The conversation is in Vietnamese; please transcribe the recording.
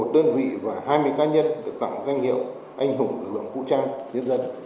một đơn vị và hai mươi cá nhân được tặng danh hiệu anh hùng lực lượng vũ trang nhân dân